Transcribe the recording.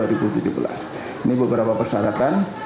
ini beberapa persyaratan